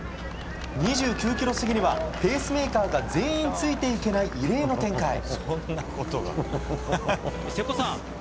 ２９ｋｍ過ぎにはペースメーカーが全員ついていけない異例の展開。